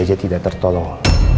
saya tidak tahap budaya